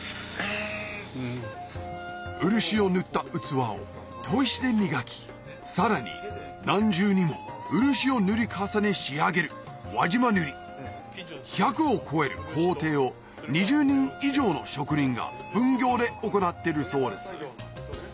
漆を塗った器を砥石で磨きさらに何重にも漆を塗り重ね仕上げる輪島塗１００を超える工程を２０人以上の職人が分業で行ってるそうです